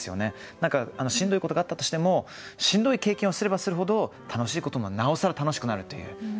何かしんどいことがあったとしてもしんどい経験をすればするほど楽しいことがなおさら楽しくなるという。